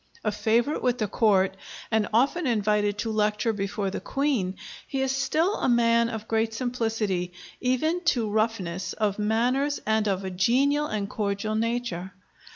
A favorite with the Court, and often invited to lecture before the Queen, he is still a man of great simplicity, even to roughness, of manners, and of a genial and cordial nature.